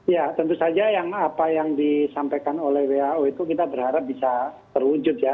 ya tentu saja yang apa yang disampaikan oleh who itu kita berharap bisa terwujud ya